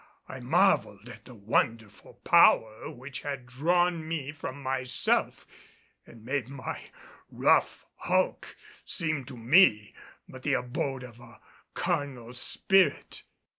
I marveled at the wonderful power which had drawn me from myself and made my rough hulk seem to me but the abode of a carnal spirit.